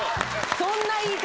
そんな言い方？